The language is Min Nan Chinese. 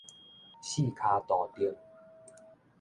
四跤肚丁